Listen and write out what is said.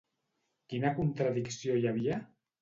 Quina contradicció hi havia?